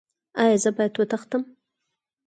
ایا زه باید وتښتم؟